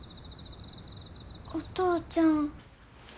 お父ちゃん。